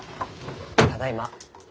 ただいま。